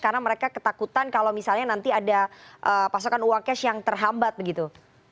karena mereka ketakutan kalau misalnya nanti ada pasokan uang cash yang terhambat begitu